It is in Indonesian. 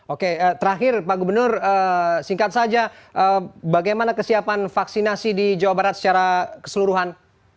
oke terakhir pak gubernur singkat saja bagaimana kesiapan vaksinasi di jawa barat secara keseluruhan